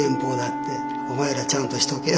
「お前らちゃんとしとけよ！」